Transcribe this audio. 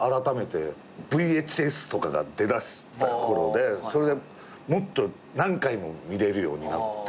ＶＨＳとかが出だしたころでそれでもっと何回も見れるようになって。